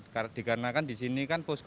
karena di sini kan posko